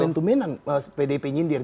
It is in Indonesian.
tumen tumenan pdip nyindir